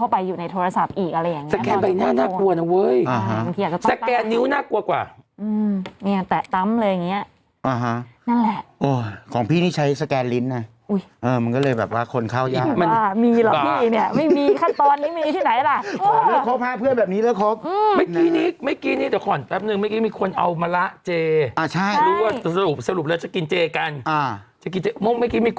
ครับยายก็ฝากร้านเจร้านอื่นก็ส่งมาได้ที่ไทยรัฐนะครับ